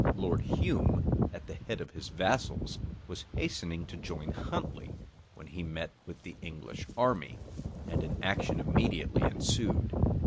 Lord Hume, at the head of his vassals, was hastening to join Huntley, when he met with the English army; and an action immediately ensued.